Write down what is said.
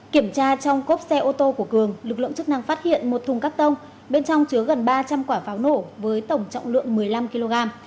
kiểm tra trong cốp xe ô tô của cường lực lượng chức năng phát hiện một thùng cắt tông bên trong chứa gần ba trăm linh quả pháo nổ với tổng trọng lượng một mươi năm kg